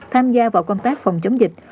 tham gia vào công tác phòng chống dịch